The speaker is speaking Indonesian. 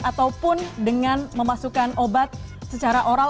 ataupun dengan memasukkan obat secara oral